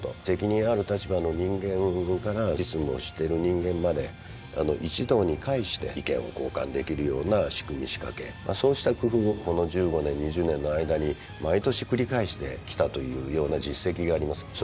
責任ある立場の人間から実務をしてる人間まで一堂に会して意見を交換できるような仕組み仕掛けそうした工夫をこの１５年２０年の間に毎年繰り返してきたというような実績があります。